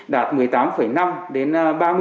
đạt một mươi tám năm đến ba mươi